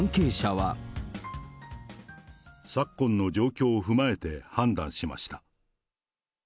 昨今の状況を踏まえて判断しました。